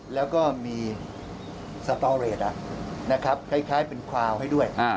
แล้วก็มีสเปอร์เรจนะครับคล้ายเป็นความให้ด้วย